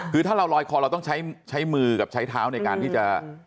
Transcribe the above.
คือถ้าเราลอยคอเราต้องใช้มือกับใช้เท้าในการที่จะ